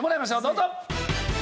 どうぞ！